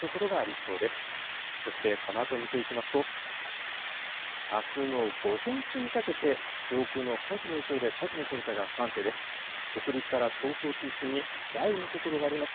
そして、このあと見ていきますと、あすの午前中にかけて、上空の寒気の影響で、大気の状態が不安定です。